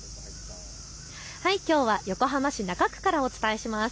きょうは横浜市中区からお伝えします。